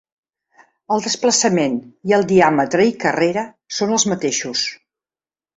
El desplaçament, i el diàmetre i carrera són els mateixos.